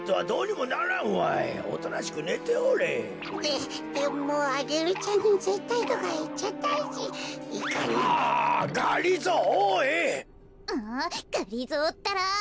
もうがりぞーったら！